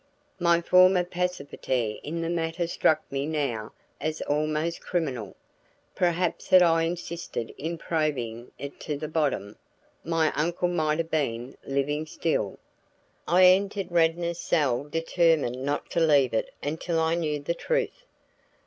My former passivity in the matter struck me now as almost criminal; perhaps had I insisted in probing it to the bottom, my uncle might have been living still. I entered Radnor's cell determined not to leave it until I knew the truth.